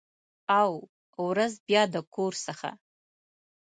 او، ورځ بیا د کور څخه